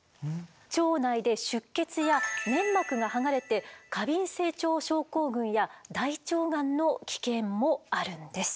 腸内で出血や粘膜が剥がれて過敏性腸症候群や大腸がんの危険もあるんです。